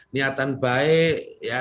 niatan baik ya